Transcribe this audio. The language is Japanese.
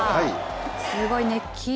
すごい熱気。